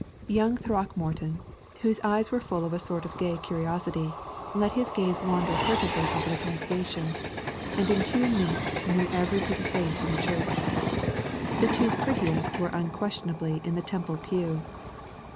Young Throckmorton, whose eyes were full of a sort of gay curiosity, let his gaze wander furtively over the congregation, and in two minutes knew every pretty face in the church. The two prettiest were unquestionably in the Temple pew.